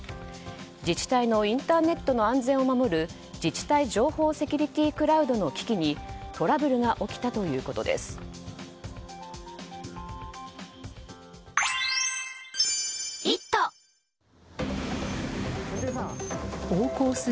自治体のインターネットの安全を守る自治体情報セキュリティクラウドの危機にトラブルが起きたということです。